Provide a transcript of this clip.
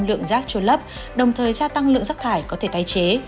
lượng rác trôi lấp đồng thời gia tăng lượng rác thải có thể tái chế